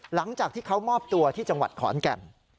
หลังจากที่เขามอบตัวที่จังหวัดขอนแก่น